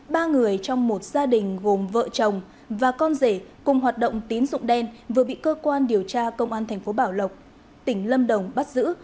ba người trong một gia đình gồm vợ chồng và con rể cùng hoạt động tín dụng đen vừa bị cơ quan điều tra công an thành phố bảo lộc tỉnh lâm đồng bắt giữ